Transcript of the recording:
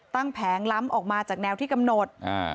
แผงล้ำออกมาจากแนวที่กำหนด